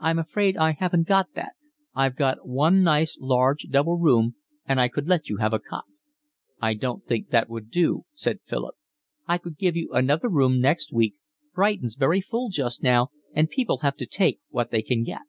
"I'm afraid I haven't got that. I've got one nice large double room, and I could let you have a cot." "I don't think that would do," said Philip. "I could give you another room next week. Brighton's very full just now, and people have to take what they can get."